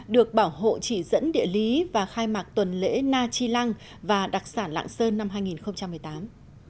được bảo hộ chỉ dẫn địa lý và khai mạc tuần lễ na chi lăng và đặc sản lạng sơn năm hai nghìn một mươi tám